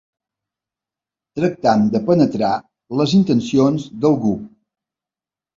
Tractem de penetrar les intencions d'algú.